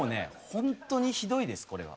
ホントにひどいですこれは。